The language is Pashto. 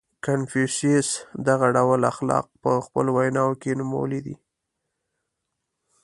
• کنفوسیوس دغه ډول اخلاق په خپلو ویناوو کې نومولي دي.